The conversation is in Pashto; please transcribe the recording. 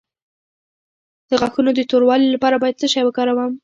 د غاښونو د توروالي لپاره باید څه شی وکاروم؟